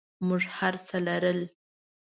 موږ هرڅه لرل.